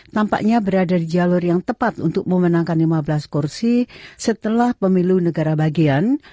nampaknya berada di jalur yang tepat untuk memenangkan lima belas kursi setelah pemilu negara bagian